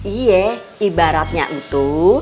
iya ibaratnya itu